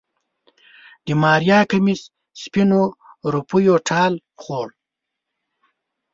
د ماريا کميس سپينو روپيو ټال خوړ.